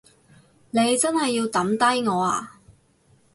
你真係要抌低我呀？